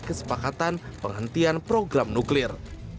kesepakatan penghentian program nuklir